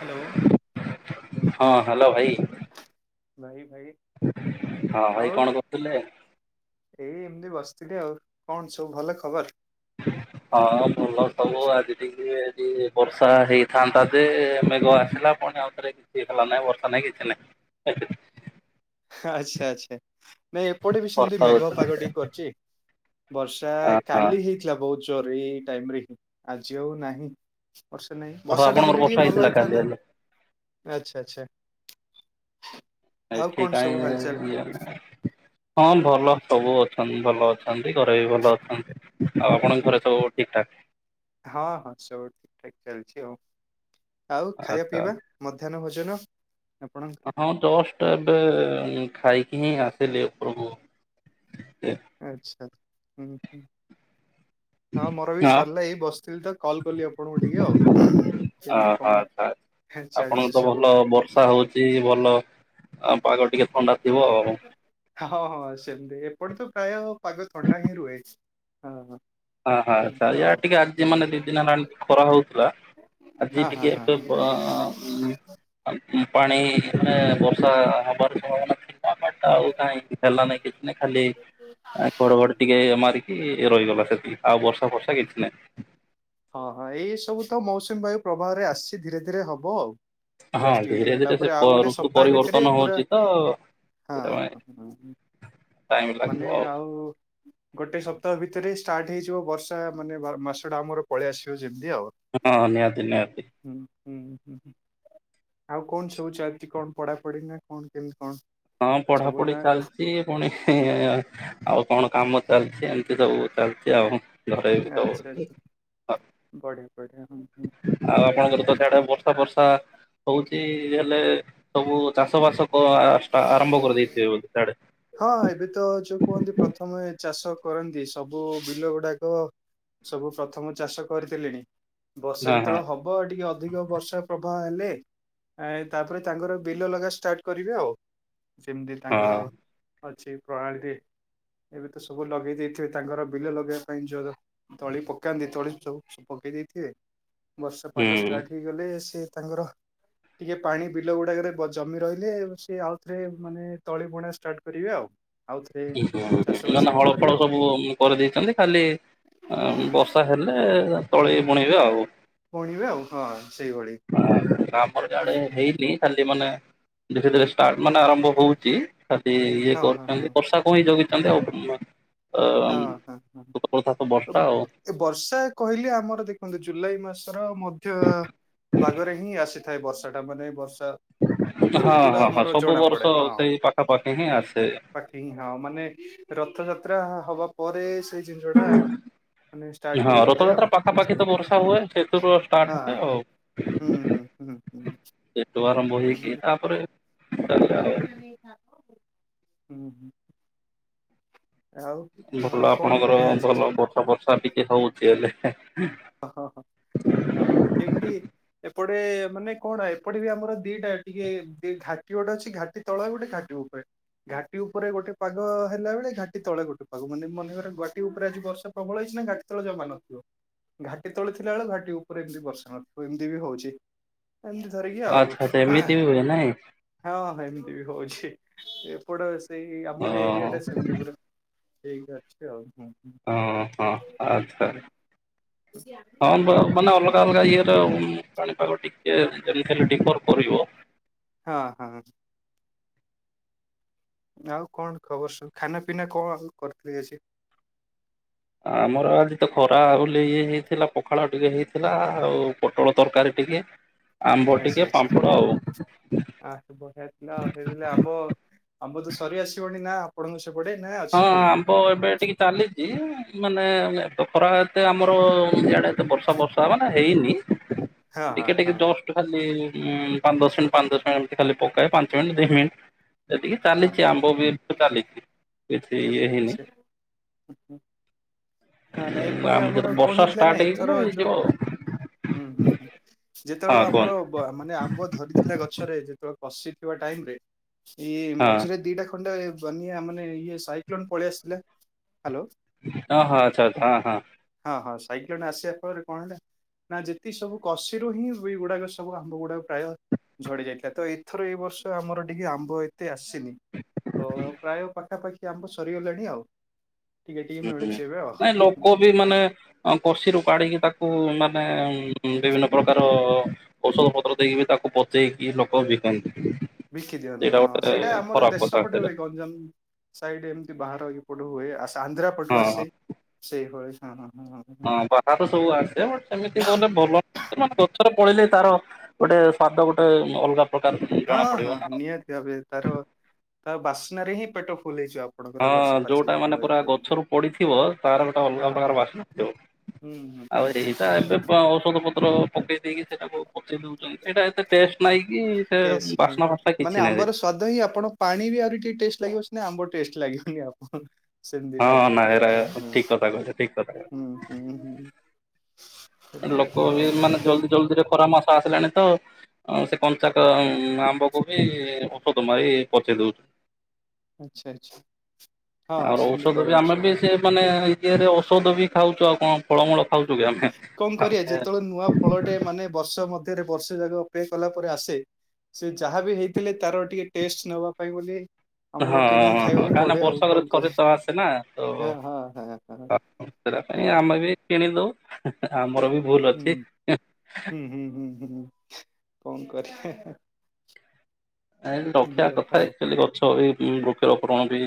Hello. ହଁ hello ଭାଇ। ଭାଇ ଭାଇ। ହଁ ଆଉ ଭାଇ କଣ କହୁଥିଲେ? ଏଇ ଏମିତି ବସିଥିଲି ଆଉ କଣ ସବୁ ଭଲ ଖବର? ହଁ ଫୁଲ ସବୁ ଆଜି ଟିକେ ଏଠି ବର୍ଷା ହେଇଥାନ୍ତା ଯେ ମେଘ ଆସିଲା। କଣି ଆଉଥରେ କିଛି ହେଲା ନାଇଁ ବର୍ଷା ନାଇଁ କିଛି ନାଇଁ। ଆଚ୍ଛା ଆଚ୍ଛା ନାଇଁ ଏପଟେ ବି ସେମିତି ବର୍ଷା ମେଘ ହଉଥିଲା ପାଗ ଟିକେ କରୁଚି। ବର୍ଷା ହଁ କାଲି ହେଇଥିଲା ବହୁତ ଜୋର ଏଇ ଟାଇମରେ ହିଁ ଆଜି ଆଉ ନାହିଁ। ବର୍ଷା ନାହିଁ ହଉ ବର୍ଷା ଟା ଆପଣଙ୍କର ହେଲେ ଟିକେ ହେଇଥିଲା ଭଲ କାଲି ହେଇଥାନ୍ତା ହେଲେ ଆଚ୍ଛା ଆଚ୍ଛା। ଆଉ ଏଠି କଣ ସବୁ କାଇଁ ହାଲଚାଲ [unintelligible] ହଁ ଭଲ ସବୁ ଅଛନ୍ତି ଭଲ ଅଛନ୍ତି ଘରେ ବି ଭଲ ଅଛନ୍ତି। ଆଉ ଆପଣଙ୍କ ହୁଁ ଘରେ ହୁଁ ସବୁ ଠିକ୍ ଠାକ୍? ହଁ ହଁ ସବୁଠୁ ଠିକ୍ ଠାକ୍ ଚାଲିଚି ଆଉ ଆଉ ଖାଇବା ଆଚ୍ଛା ପିଇବା? ମଧ୍ୟାହ୍ନ ଭୋଜନ? ଆପଣଙ୍କର ହଁ ଜଷ୍ଟ ଏବେ ଖାଇକି ହିଁ ଆସିଲି ଉପରକୁ। ଆଚ୍ଛା ହୁଁ ହୁଁ। ହଁ ମୋର ବି ସରିଲା ଏଇ ବସିଥିଲି ତ କଲ୍ କଲି ଆପଣଙ୍କୁ ଟିକେ ଆଉ କେମତି ଓହୋ କଣ? ଆଚ୍ଛା ହା ଚାଲିଚି ସବୁ। ବଷା ହଉଚି ଭଲ ଆଉ ପାଗ ଟିକେ ଥଣ୍ଡା ଥିବ ଆଉ। ହଁ ହଁ ସେମିତି ଏପଟ ତ ପ୍ରାୟ ପାଗ ଥଣ୍ଡା ହିଁ ରୁହେ ହଁ ହଁ ହ ହଁ ଆଛା ସେମିତି ୟା ଆଉ ଟିକେ ଆଜି ହଁ ମାନେ ଦି ଦିନ ଟାଣ ଖରା ହଉଥିଲା। ଆଜି ହଁ ଟିକେ ହଁ ଏ ହଁ। ପାଣି ବର୍ଷା ହବାର ସମ୍ଭାବନା ଆଉ କାହିଁ ହେଲା ନାଇଁ କିଛି ନାଇଁ ଖାଲି ଘଡଘଡି ଟିକେ ମାରିକି ରହିଗଲା ସେ ଆଉ ବର୍ଷା ଫର୍ଷା କିଛି ନାଇଁ। ହଁ ହଁ ଏଇ ସବୁ ତ ମୌସୁମୀ ବାୟୁ ପ୍ରଭାବରେ ଆସିଛି ଧୀରେ ଧୀରେ ହବ ଆଉ। ହଁ ଜଷ୍ଟ ଟିକେ ଟିକେ ଧୀରେ ହେଲା ଧୀରେ ସେ ପରେ ଆଉ ଗୋଟେ ଋତୁ ସପ୍ତାହ ଭିତରେ ପରିବର୍ତ୍ତନ ପୁରା ହଉଛି ତ ହଁ ସେଥିପାଇଁ ଟାଇମ ଲାଗିବ ମାନେ ଆଉ ଗୋଟେ ସପ୍ତାହ ଭିତରେ ଷ୍ଟାର୍ଟ ହେଇଯିବ ବର୍ଷା ମାନେ ମାସଟା ଆମର ପଳେଇ ଆସିବ ଯେମିତି ଆଉ ହଁ ନିହାତି ନିହାତି। ହୁଁ ହୁଁ ହୁଁ। ଆଉ କଣ ସବୁ ଚାଲିଛି କଣ ପଢାପଢି ନା କଣ କେମିତି କଣ? ହଁ ସବୁ ପଢାପଢି ନା କଣ? ଚାଲିଛି। ପୁଣି ଆଉ କଣ କାମ ଚାଲିଛି ଏମିତି ସବୁ ଚାଲିଛି ଆଉ ଘରେ ବି ସବୁ ଆଚ୍ଛା ଆଚ୍ଛା ବଢିଆ ବଢିଆ ହଁ। ଆଉ ଆପଣଙ୍କର ତ ଆଡେ ବର୍ଷା ବର୍ଷା ହଉଛି ହେଲେ ସବୁ ଚାଷ ବାସ ହ ଯଷ୍ଟ ଆରମ୍ଭ କରି ଦେଇଥିବେ ବୋଧେ ସିଆଡେ। ହଁ ଏବେ ତ ଯୋଉ କୁହନ୍ତି ପ୍ରଥମେ ଚାଷ କରନ୍ତି ସବୁ ବିଲ ଗୁଡାକ। ସବୁ ପ୍ରଥମ ଚାଷ କରିଥିଲିଣି ବର୍ଷା ହଁ ହଁ ଯେତେବେଳେ ହବ। ହେବ ଟିକେ ଅଧିକ ବର୍ଷା ପ୍ରବାହ ହେଲେ। ତାପରେ ତାଙ୍କର ବିଲ ଲଗା ଷ୍ଟାର୍ଟ କରିବେ ଆଉ ଯେମିତି ତାଙ୍କର ଅଛି ପ୍ରଣାଳୀରେ ଏବେ ତ ସବୁ ଲଗେଇ ଦେଇଥିବେ ତାଙ୍କର ବିଲ ଲଗେଇବା ପାଇଁ। ତଳି ପକାନ୍ତି ତଳି ସବୁ ପକେଇ ଦେଇଥିବେ ବର୍ଷା ହଁ ପାଗ ଷ୍ଟାର୍ଟ ହେଇ ହେଇଗଲେ ସେ ତାଙ୍କର ଟିକେ ପାଣି ବିଲ ଗୁଡାକରେ ଜମି ରହିଲେ ସିଏ ଆଉ ଥରେ ମାନେ ତଳି ବୁଣା ଷ୍ଟାର୍ଟ କରିବେ ଆଉ ଆଉଥରେ ଚାଷ ମାନେ ବାସ ହଳ କରି ଫଳ ଆଉ ସବୁ କରି ଦେଇଛନ୍ତି ଖାଲି ବର୍ଷା ହେଲେ ତଳି ବୁଣିବେ ଆଉ ବୁଣିବେ ଆଉ ହଁ ସେଇଭଳି। ଆମର ଆଡେ ହୁଁ ହୁଁ। ହେଇନି ଖାଲି ମାନେ ଧୀରେ ଧୀରେ ଷ୍ଟାର୍ଟ ମାନେ ଆରମ୍ଭ ହଉଛିି ଖାଲି ଇଏ ହଁ ହଁ ହଁ କରୁଛନ୍ତି ବର୍ଷାକୁ ହିଁ ଜଗିଛନ୍ତି ଆଉ ଖାଲି ହଁ ହଁ ହଁ। ତ ବର୍ଷା ଆଉ ଏ ବର୍ଷା କହିଲେ ଆମର ଦେଖନ୍ତୁ ଜୁଲାଇ ମାସର ମଧ୍ୟ ଭାଗରେ ହିଁ ଆସିଥାଏ ବର୍ଷା ଟା ମାନେ ବର୍ଷା ଋତୁ ହଁ ଟା ହଁ ହଁ ଆମର ସବୁ ଜଣା ବର୍ଷ ସେଇ ପାଖାପାଖି ହିଁ ଆସେ ପାଖି ହଁ ମାନେ ରଥଯାତ୍ରା ହବା ପରେ ସେଇ ଜିନିଷ ଟା ମାନେ ଷ୍ଟାର୍ଟ ହଁ ହେଇଥାଏ ରଥଯାତ୍ରା ଆଉ ପାଖାପାଖି ତ ସେଇଆ ବର୍ଷା ହୁଏ ସେଥିରୁ ଷ୍ଟାର୍ଟ ହଁ ହୁଏ ହଁ ଆଉ। ହୁଁ ହୁଁ ହୁଁ ହୁଁ ସେଠୁ ଆରମ୍ଭ ହେଇକି ସେମିତି। ତାପରେ ଚାଲେ ଆଉ। [unintelligible] ହୁଁ ହୁଁ ଆଉ ଆଉ ଭଲ କଣ ଆପଣଙ୍କର ଖିଆ ଆଜି ଭଲ ବର୍ଷା ଫର୍ଷା ଟିକେ ହଉଛି ହେଲେ ହଁ କେମିତି ଏପଟେ ମାନେ କଣ ଏପଟେ ବି ଆମର ଦିଟା ଟିକେ ଦିଟା ଘାଟି ଗୋଟେ ଅଛି ଘାଟି ସେ ତଳ ଗୋଟେ ଘାଟି ଉପରେ ଘାଟି ଉପରେ ଗୋଟେ ପାଗ ହେଲା ବେଳେ ଘାଟି ତଳେ ଗୋଟେ ପାଗ ମାନେ ମନେକର ଘାଟି ଉପରେ ଆଜି ବର୍ଷା ପ୍ରବଳ ହେଇଛି ନା ଘାଟି ତଳେ ଜମା ନ ଥିବ ଘାଟି ତଳେ ଥିଲା ବେଳେ ଘାଟି ଉପରେ ଏମିତି ବର୍ଷା ନଥିବ ଏମିତି ବି ହଉଛି ଏମିତି ଧରିକି ଆଉ ଆଚ୍ଛା ଆଚ୍ଛା ଏମିତି ବି ହୁଏ ନାଇଁ। ହଁଁ ଏମିତି ବି ହଉଛି ଏପଟେ ସେଇ ଆମ ଓହୋ ଏରିଆ ଟା ସେମିତି ପୁରା ଠିକ୍ ଅଛି ଆଉ ହୁଁ ହଁ ହଁ ହଁ ହଁ ଆଛା ଆଜ୍ଞା ହଁ ମାନେ ଅଲଗା ଅଲଗା ଇଏର ପାଣିପାଗ ଟିକେ ଯେମିତି ହେଲେ ଡିପର୍ କରିବ ହଁ ହଁ ଆଉ କଣ ଖବର ସବୁ ଖାନା ପିନା କଣ ଆଉ କରିଥିଲେ କିଛି ଆମର ଆଜି ତ ଖରା ବୋଲି ଇଏ ହେଇଥିଲା ପଖାଳ ଟିକେ ହେଇଥିଲା ଆଉ ପୋଟଳ ତରକାରୀ ଟିକେ [inaudible] ଆମ୍ବ ଟିକେ ଆଚ୍ଛା ଆଚ୍ଛା ପାମ୍ପଡ଼ ଆଉ ଆ ବଢିଆ ଥିଲା ଆଉ ହେଇଥିଲା ଆମ ଆମ୍ବ ତ ସରି ଆସିବଣି ନା ଆପଣଙ୍କ ସେପଟେ ନା ଅଛି ପୁଣି ବ ଏବେ ଟିକେ ଚାଲିଛି ମାନେ ଏବେ ଖରା ଏତେ ଆମର ଇଆଡେ ଏତେ ବର୍ଷା ଫର୍ଷା ମାନେ ହେଇନି ହଁ ହଁ ଟିକେ ଟିକେ ହଁ ଜଷ୍ଟ ଖାଲି ପାଞ୍ଚ ଦଶ ମିନିଟ୍ ପାଞ୍ଚ ଦଶ ମିନିଟ୍ ଏମିତି ଖାଲି ପକାଏ ପାଞ୍ଚ ମିନିଟ୍ ଦି ମିନିଟ୍ ସେଠିକି ଚାଲିଛି ଆମ୍ବ ବି ଚାଲିଛି କିଛି ଇଏ ହେଇନି ଏତେ [unintelligible] ନା ନାଇଁ ଏପଟେ ଆମ ଆମର ଯେତେ କଣ ବର୍ଷା ହେଇଥିଲା ନା ଷ୍ଟାର୍ଟ ଏଥର ହେଇଗଲେ ଯୋଉ ହେଇଯିବ ହୁଁ ହୁଁ ହୁଁ ଯେତେବେଳେ ଆଉ ହଁ ଆମର କୁହନ୍ତୁ ମାନେ ଆମ୍ବ ଧରିଥିଲା ଗଛରେ ଯେତେବେଳେ କୋଷି ଥିବା ଟାଇମ୍ ରେ ଇଏ ହଁ ମଝିରେ ଦିଟା ଖଣ୍ଡେ ମାନେ ଇଏ ସାଇକ୍ଲୋନ ପଳେଇ ଆସିିଲା ହ୍ୟାଲୋ ହଁ ହଁ ଆଚ୍ଛା ଆଚ୍ଛା ହଁ ହଁ ହଁ ହଁ ସାଇକ୍ଲନ ଆସିବା ଫଳରେ କଣ ହେଲା ନା ଯେତିି ସବୁ କଷିରୁ ହିଁ ଏଗୁଡାକ ସବୁ ଆମ୍ବ ଗୁଡାକ ପ୍ରାୟ ଝଡି ଯାଇଥିଲା ତ ଏଥର ଏଇ ବର୍ଷ ଆମର ଟିକେ ଆମ୍ବ ଏତେ ଆସ ସିନି ତ ପ୍ରାୟ ପାଖାପାଖି ଆମ୍ବ ସରିଗଲାଣି ଆଉ ଟିକେ ଟିକେ ହୁଁ ମିଳୁଛି ଏବେ ନାଇଁ ଆଉ। ଲୋକ ବି ମାନେ କସିିରୁ କାଢିକି ତାକୁ ମାନେ ବିଭିନ୍ନ ପ୍ରକାର ଔଷଧ ପତ୍ର ଦେଇକି ବି ତାକୁ ପଚେଇକି ଲୋକ ବିକନ୍ତି। ବିକି ଦିଅନ୍ତି ସେଇଟା ହଁ ଗୋଟେ ସେଇଟା ଆମର ଖରାପ ଦେଶ କଥା ପଟେ ଥିଲା। ହୁଏ ଗଞ୍ଜାମ। ସାଇଡ ଏମିତି ବାହାର ଏ ପଟୁ ହୁଏ ଆନ୍ଧ୍ରା ହଁ ପଟୁ ଆସେ ସେଇ ହଳି ହଁ ହଁ ହଁ ହଁ। ହଁ ବାହାରୁ ସବୁ ଆସେ ସେମିତି କ ଭଲ ଗଛରେ ପଳେଲେ ତାର ଗୋଟେ ସ୍ଵାଦ ଗୋଟେ ଅଲଗା ପ୍ରକାର ଜଣା ପଡିବ ନା। ଏ ତାର ତା ବାସ୍ନାରେ ହିଁ ପେଟ ଫୁଲ ହେଇ ଯା ହଁ ଯୋଉଟା ମାନେ ପୁରା ଗଛରୁ ପଡିଥିବ ତାର ଗୋଟେ ଅଲଗା ହଁ ହଁ ପ୍ରକାର ବାସ୍ନାଥିବ। ହୁଁ ହୁଁ ଆଉ ନିହାତି ଏଇଟା ନିହାତି ଏବେ ଔଷଧ ପତ୍ର ପକେଇ ଦେଇକି ସେଇଟାକୁ ପଠେଇ ଦଉଛି। ସେଇଟା ଏତେ ଟେଷ୍ଟ ନାଇଁ କି ସେ ବାସ୍ନା ଫାସ୍ନା କିଛି ନାହିଁ। ସଵାଦ ହଁ ଆପଣ ପାଣି ବି ଆହୁରି ଟିକେ ଟେଷ୍ଟ ଲାଗିବ ନା ଆମ୍ବ ଟେଷ୍ଟ ଲାଗିବନି ଆପଣ ସେମିତି ହଁ ଲାଗେ ନାଇଁ ଟେଷ୍ଟ ଏରା ଟା ଠିକ କଥା କହିଲେ ଠିକ କଥା ହଁ ହ ହ। ଲୋକ ବି ମାନେ ଜଲଦି ଜଲଦିରେ ଖରା ମାସ ଆସିଲାଣି ତ। ହ ସେ କଞ୍ଚାକ ଆମ୍ବକୁ ବି ଔଷଧ ମାରି ପଚେଇ ଦଉଛନ୍ତି। ଆଚ୍ଛା ଆଚ୍ଛା। ହଁ ଆଉ ସେମିତି ଔଷଧ ବି କରନ୍ତି ଆମେ ସବୁ। ବି ସେ ମାନେ ଇରେ ଔଷଧ ବି ଖାଉଛୁ ଆଉ କଣ। ଫଳମୂଳ ଖାଉଛୁ କି ଆମେ। କଣ କରିବା ହଁ ଯେତେବେଳେ ନୂଆ। ଫଳଟେ ମାନେ ବର୍ଷ ମଧ୍ୟରେ ବର୍ଷେ ଯାକ ଅପେକ୍ଷା କଲା ପରେ ଆସେ। ସେ ଯାହା ବିି ହେଇଥିଲେ ତାର ଟିକେ ଟେଷ୍ଟ ନବା ପାଇଁ ବୋଲି। ଆମକୁ ହଁ ହଁ କିଣିକି ହଁ ଖାଇବାକୁ କାହିଁକି ପଡେ ଆଉ ବର୍ଷାକରେ କଣ ଥରେ ତ ଆସେ ନା ତ। କରିବା ହଁ ହଁ ହଁ ହଁ ସେଟା ପାଇଁ ସେଇଆ। ଆମେ ବି କିଣି ଦଉ ଆମର ବି ଭୁଲ ହୁଁ ଅଛି। ହୁଁ ହୁଁ ହୁଁ ହୁଁ। କଣ କରିବା। ରଖିବା ଏମିତି କଥା ଆଉ। ଆଚୁଆଲି ଗଛ ଏଇ ବୃକ୍ଷ ରୋପଣ ବି।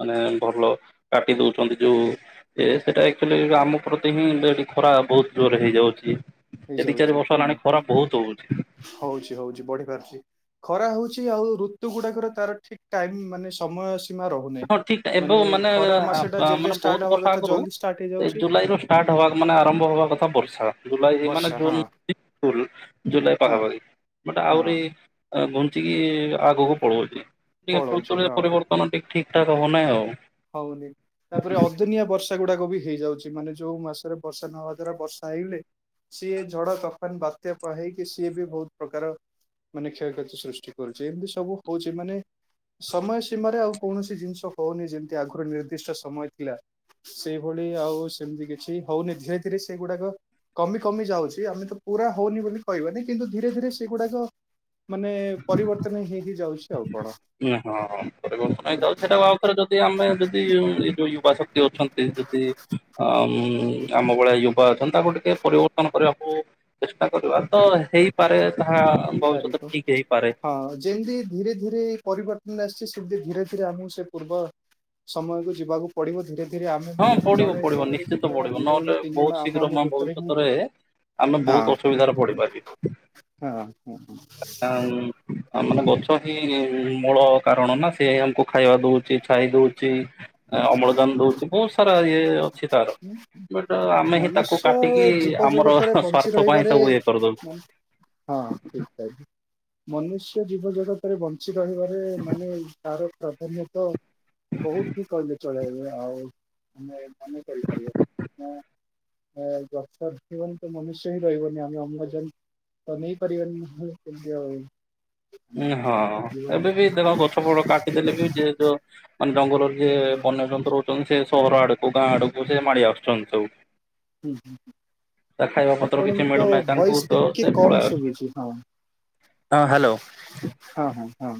ମାନେ ଭଲ କାଟି ଦଉଛନ୍ତି ଯୋଉ। ଏ ସେଇଟା ଆଚୁଆଲି ଆମ ପ୍ରତି ହିଁ ଖରା ବହୁତ ଜୋରରେ ହେଇଯାଉଛି। ଏ ଦୁଇ ହେଇଯାଉଛି ଚାରି ବର୍ଷ ହୁଁ ହେଲାଣି ହୁଁ ଖରା ବହୁତ ଜୋରେ ହଉଛି। ହଉଛି ହଉଛି ବଢିପାରୁଛି। ଖରା ହଉଛି ଆଉ ଋତୁ ଗୁଡାକର ତାର ଠିକ ଟାଇମ ମାନେ ସମୟ। ସୀମା ରହୁନାହିଁ ହଁ ଠିକ ଏବେ ମାନେ ଖରା ମାସ ଟା ଯେବେ ମାନେ ବହୁତ ଷ୍ଟାର୍ଟ ହବା ବର୍ଷ କଥା ଆଗରୁ ଜଲଦି ଷ୍ଟାର୍ଟ ଏଇ ହେଇଯାଉଛି। ଜୁଲାଇରୁ ଷ୍ଟାର୍ଟ ହେବା ମାନେ ଆରମ୍ଭ ହେବା କଥା ବର୍ଷା। ଜୁଲାଇ ମାନେ ବର୍ଷା ହଁ ଜୁନ ଜୁଲାଇ ହଁ ପାଖାପାଖି ମୋଟେ ଆହୁରି ହଁ ଘୁଞ୍ଚିକି ଆଗକୁ ପଳଉଛି ଟିକେ ପଳଉଛି ରୁତୁରେ ହଁ ପରିବର୍ତ୍ତନ ଟିକେ। ଟା ହବ ନାଇ ଆଉ। ହଉନି। ତାପରେ ଅଦିନିଆ ବର୍ଷା ଗୁଡାକ ବି ହେଇଯାଉଛି ମାନେ ଯୋଉ ମାସରେ ବର୍ଷା ନହବା ଦ୍ଵାରା ବର୍ଷା ହେଇଗଲେ ସିଏ ଝଡ ତୋଫାନ ବାତ୍ୟା କ ହେଇକି ସିଏ ବି ବହୁତ ପ୍ରକାର ମାନେ କ୍ଷୟକ୍ଷତି ସୃଷ୍ଟି କରୁଚି ଏମିତି ସବୁ ହଉଚି ମାନେ ସମୟ ସୀମାରେ ଆଉ କୌଣସି ଜିନିଷ ହଉନି ଯେମିତି ଆଗରୁ ନିର୍ଦ୍ଦିଷ୍ଟ ସମୟ ଥିଲା ସେଇଭଳି ଆଉ ସେମିତି କିଛି ହଉନି ଧୀରେ ଧୀରେ ସେଇଗୁଡାକ କମି କମି ଯାଉଛି। ଆମେ ତ ପୁରା ହଉନି ବୋଲି କହିବାନି କିନ୍ତୁ ଧୀରେ ଧୀରେ ସେଗୁଡାକ ମାନେ ପରିବର୍ତ୍ତନ ହେଇ ହେଇ ଯାଉଛି। ଆଉ କଣ? ହଁ ହଁ ସେଟା ଆଉଥରେ [unintelligible] ଯଦି ଆମେ ଯଦି ଉଁ ଏଇ ଯୋଉ ଯୁବା ଶକ୍ତି ଅଛନ୍ତି ଯଦି ଅ ଆମ ଭଳିଆ ୟୁ ବା ଅଛନ୍ତି, ତାକୁ ଟିକେ ପରିବର୍ତ୍ତନ କରିବାକୁ ଚେଷ୍ଟା କରିବା। ତ ହେଇପାରେ, ତାହା ହେଇପାରିବ ଭବିଷ୍ୟତରେ ଠିକ ହେଇପାରେ। ହଁ, ଯେଏଁତି ଧୀରେ ଧୀରେ ପରିବର୍ତ୍ତନ ଆସିଛି। ସେମିତି ଧୀରେ ଧୀରେ ଆମକୁ ସେ ପୂର୍ବ ସମୟକୁ ଯିବାକୁ ପଡିବ ଧୀରେ ଧୀରେ ଆମେ ହଁ ମାନେ ହିଁ ପଡିବ ଜଣେ ପଡିବ ଜଣରୁ ଦି ନିଶ୍ଚିତ ଜଣ ପଡିବ। ଦୁଇ ଜଣରୁ ନହେଲେ ତିନି ଜଣ ବହୁତ ଆମ ଶୀଘ୍ର ଆମ ମ ଭିତରେ ହିଁ ଭବିଷ୍ୟତରେ ଆମେ ହଁ ବହୁତ ଅସୁବିଧାରେ ପଡିପାରିବି। ହଁ ହଁ ହ ଆ ମାନେ ଗଛ ହିଁ ମୂଳ କାରଣ ନା ସେ ହିଁ ଆମକୁ ଖାଇବା ଦଉଚି, ଛାଇ ଦଉଚି, ଅମ୍ଳଜାନ ଦଉଚି। ବୁସ୍ ସାରା ଇଏ ଅଛି ତାର। ବଟ ଆମେ ହିଁ ତାକୁ ମନୁଷ୍ୟ କାଟିକି ଜୀବ ଆମର ଜଗତରେ ବଞ୍ଚି ସ୍ଵାର୍ଥ ପାଇଁ ରହିବାରେ ସବୁ ଇଏ- କରିଦଉ। ହଁ, ଠିକ୍ କହିଲେ। ମନୁଷ୍ୟ ଜୀବ ଜଗତରେ ବଞ୍ଚି ରହିବାରେ ମାନେ ତାର ପ୍ରାଧାନ୍ୟତ ବହୁତ ହିଁ କହିଲେ ଚଳେଇବେ। ଆଉ ଆମେ ମାନେ କରିପାରିବା ମେ ଅ ଗଛ ରହିବନି ତ ମନୁଷ୍ୟ ହିଁ ରହିବନି ଆମେ ଅମ୍ଳଜାନ ତ ନେଇ ପାରିବାନି। କେମିତି ଆଉ ଉଁ, ହଁ, ଜୀବନ ଏବେ ବି ଯାପନ ଦେଖ ଗଛ ଫଛ କାଟିଦେଲେ ବି ଯେହେତୁ ମାନେ ଜଙ୍ଗଲରେ ଯିଏ ବନ୍ୟଜନ୍ତୁ ରହୁଚନ୍ତି। ସେ ସହର ଆଡକୁ ଗାଁ ଆଡକୁ ସେ ମାଡି ଆସୁଛନ୍ତି ସବୁ। ହୁଁ, ହୁଁ, ତା ଖାଇବା ପତ୍ର କିଛି ଆପଣଙ୍କ ମିଳୁନାହିଁ ତାଙ୍କୁ ଭଏସ ତ ସେ ଟିକେ ପଳେଇ କମ୍ ଆସୁଛନ୍ତି ଶୁଭୁଚି। ହଁ? ହଁ, ହ୍ୟାଲୋ। ହଁ ହଁ ହଁ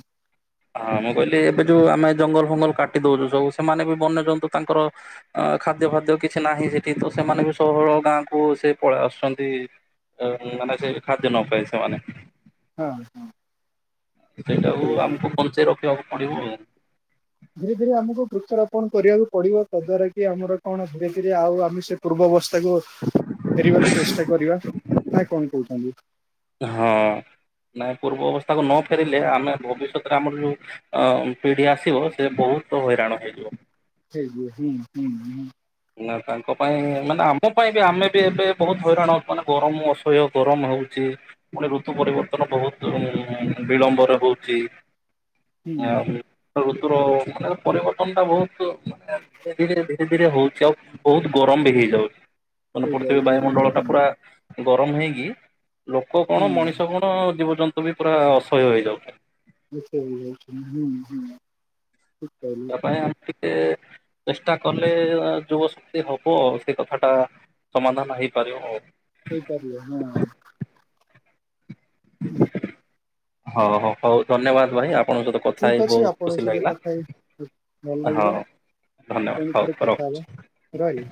ହଁ ମୁଁ କହିଲି ଏବେ ଯୋଉ ଆମେ ଜଙ୍ଗଲ ଫଙ୍ଗଲ କାଟି ଦଉଚୁ ସବୁ ସେମାନେ ବି ବନ୍ୟ ଯନ୍ତୁ ତାଙ୍କର ଅ ଖାଦ୍ୟ ଫାଦ୍ୟ କିଛି ନାହିଁ ସେଠି। ତ ସେମାନେ ବି ସବୁବେଳେ ଗାଁକୁ ସେ ପଳେଇ ଆସୁଛନ୍ତି। ଏ ମାନେ ସେ ଖାଦ୍ୟ ନ ପାଇ ସେମାନେ। ହଁ, ହଁ। ସେଇଟାକୁ ଆମକୁ ପଞ୍ଚେଇ ରଖିବାକୁ ପଡିବ ଆଉ। ଧୀରେ ଧୀରେ ଆମକୁ ବୃକ୍ଷରୋପଣ କରିବାକୁ ପଡ଼ିବ। ତା ଦ୍ଵାରା କି ଆମର କଣ ଧୀରେ ଧୀରେ ଆଉ ଆମେ ସେ ପୂର୍ବ ଅବସ୍ଥାକୁ ଫେରିବାକୁ ଚେଷ୍ଟା କରିବା। ନା କଣ କହୁଚନ୍ତି? ହଁ ନାଇଁ ପୂର୍ବ ଅବସ୍ଥାକୁ ନ ଫେରିଲେ, ଆମେ ଭବିଷ୍ୟତରେ ଆମର ଯଉ ଅ ପିଢି ଆସିବ ସେ ବହୁତ ହଇରାଣ ହେଇଯିବ। ସେଇ ହୁଁ, ହୁଁ, ହଁ ନା ତାଙ୍କ ପାଇଁ ମାନେ ଆମ ପାଇଁ ବି ଆମେ ବି ଏବେ ବହୁତ ହଇରାଣ ମାନେ ଗରମ ଅସହ୍ୟ ଗରମ ହଉଚି। ପୁଣି ଋତୁ ପରିବର୍ତ୍ତନ ବହୁତ ଉଁ ବିଳମ୍ବରେ ହଉଚି। ହୁଁ ଆଉ ଋତୁର ମାନେ ପରିବର୍ତ୍ତନ ଟା ବହୁତ ମାନେ ଧୀରେ ଧୀରେ ଧୀରେ ଧୀରେ ହଉ ସେ ଆଉ ବହୁତ ଗରମ ବି ହେଇଯାଉଚି। ମାନେ ପୃଥିବୀ ହେଇଯାଉଛି ହୁଁ ବାୟୁମଣ୍ଡଳ ଟା ହୁଁ ପୁରା ଗରମ ହେଇକି ଲୋକ କଣ ହୁଁ ମଣିଷ କଣ ଜୀବଜନ୍ତୁ ବି ପୁରା ଅସହ୍ୟ ହେଇଯାଉଛନ୍ତି। ତା [unintelligible] ପାଇଁ ଆମେ ଟିକେ ଚେଷ୍ଟା କଲେ ଯୁବ ଶକ୍ତି ହବ। ସେ କଥାଟା ସମାଧାନ ହେଇପାରିବ ଆଉ। ହେଇପାରିଲେ ନା ଆଉ। [inaudible] ହଉ -ହଉ -ହଉ ଧନ୍ୟବାଦ୍ ଭାଇ ଆ ଆପଣଙ୍କ ସହିତ କଥା ହେଇ ଠିକ ଅଛି ବହୁତ୍ ଆପଣଙ୍କ ଖୁସି ସହିତ ଲାଗିଲା କଥା ହେଇ ଭଲ -ହଁ। ଲାଗିଲା ଧନ୍ୟବାଦ୍ ପୁଣି ହଉ ଥରେ କଥା ହବା ରହୁଚି। ରହିଲି।